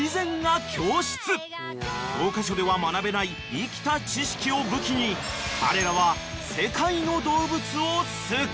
［教科書では学べない生きた知識を武器に彼らは］